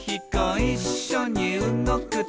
「いっしょにうごくと」